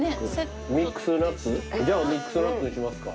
ミックスナッツ？じゃあミックスナッツにしますか。